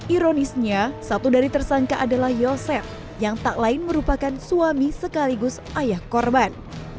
ironisnya satu dari tersangka adalah yosef yang tak lain merupakan suami sekaligus ayah korban